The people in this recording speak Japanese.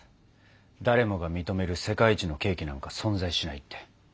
誰もが認める世界一のケーキなんか存在しないって。